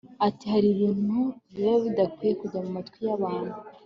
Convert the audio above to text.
ati hari ibintu biba bidakwiye kujya mu matwi y'abantu